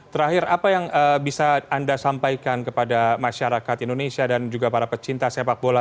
terakhir apa yang bisa anda sampaikan kepada masyarakat indonesia dan juga para pecinta sepak bola